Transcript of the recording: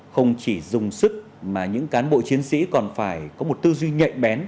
không chỉ dùng sức mà những cán bộ chiến sĩ còn phải có một tư duy nhạy bén